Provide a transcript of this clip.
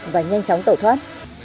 và nhanh chóng tẩu thoát